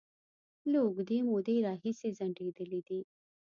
له اوږدې مودې راهیسې ځنډيدلې دي